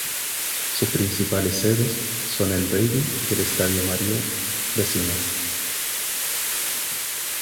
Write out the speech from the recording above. Sus principales sedes son en el "Baby" y el Estadio Mario Vecino.